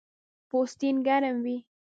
پوستین ګرم وي